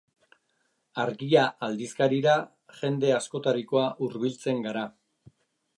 Argia aldizkarira jende askotarikoa hurbiltzen gara.